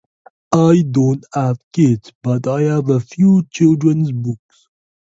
I don't have kids, but I have a few children's books.